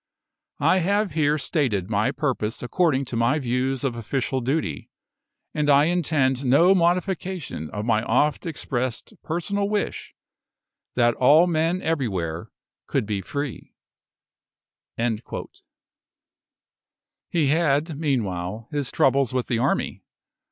I have here stated my purpose according to my views of official duty, and I intend no modification of my oft expressed personal wish, that all men everywhere could be free." He had, meanwhile, his troubles with the army.